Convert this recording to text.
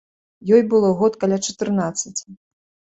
Ёй было год каля чатырнаццаці.